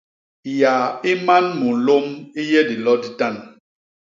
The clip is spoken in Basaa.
Yaa i man munlôm i yé dilo ditan.